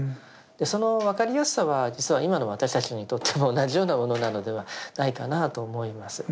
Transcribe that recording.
その分かりやすさは実は今の私たちにとっても同じようなものなのではないかなと思います。